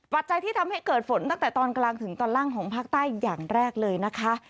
ปัจจัยที่ทำให้เกิดฝนตั้งแต่ตอนกลางถึงตอนล่างของภาคใต้อย่างแรกเลยนะคะ